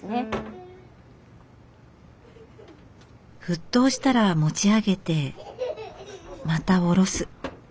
沸騰したら持ち上げてまた下ろす。